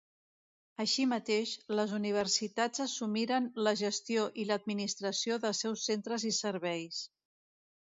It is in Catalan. Així mateix, les universitats assumiren la gestió i l'administració dels seus centres i serveis.